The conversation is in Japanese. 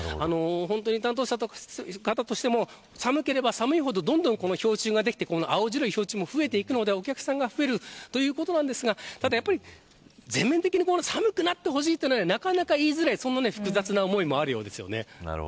担当者の方としても寒ければ寒いほどどんどん氷柱ができて青白い氷柱も増えるのでお客さんも増えるということですが全面的に寒くなってほしいとはなかなか言いづらいそんな複雑な思いもありそうですよね。